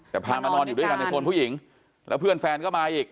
แต่พามานอนอยู่ด้วยกันในโซนผู้หญิงแล้วเพื่อนแฟนก็มาอีก